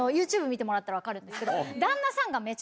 ＹｏｕＴｕｂｅを見てもらったら分かるんですけど。